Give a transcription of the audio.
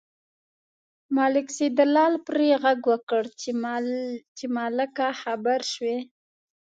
ملک سیدلال پرې غږ وکړ چې ملکه خبر شوې.